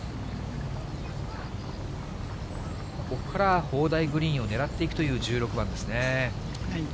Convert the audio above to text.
ここから砲台グリーンを狙っていくという、１６番ですね。